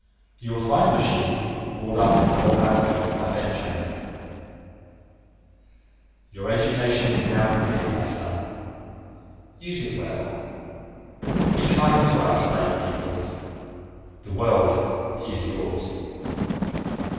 You will find the machine walled up in the North alcove of my bedchamber. Your education is now complete my son, use it well. Be kind to our slave peoples, the world is yours.